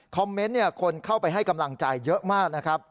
เมนต์คนเข้าไปให้กำลังใจเยอะมากนะครับ